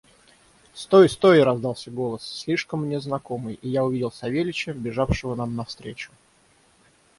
«Стой! стой!» – раздался голос, слишком мне знакомый, – и я увидел Савельича, бежавшего нам навстречу.